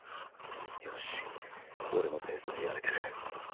よし俺のペースでやれてる